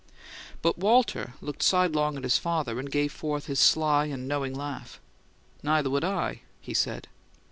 But Walter looked sidelong at his father, and gave forth his sly and knowing laugh. "Neither would I!" he said.